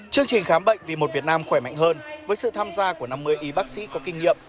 chương trình khám bệnh vì một việt nam khỏe mạnh hơn với sự tham gia của năm mươi y bác sĩ có kinh nghiệm